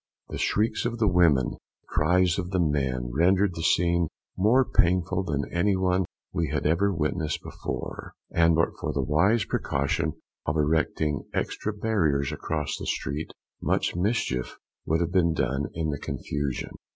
The shrieks of the women, and the cries of the men, rendered the scene more painful than any one we had ever witnessed before; and but for the wise precaution of erecting extra barriers across the street, much mischief would have been done in the confusion.